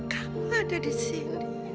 kamu ada di sini